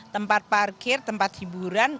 tempat parkir tempat hiburan